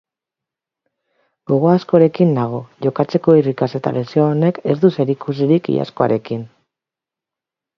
Gogo askorekin nago, jokatzeko irrikaz eta lesio honek ez du zerikusirik iazkoarekin.